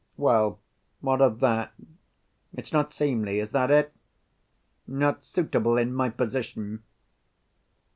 " "Well, what of that? It's not seemly—is that it? Not suitable in my position?"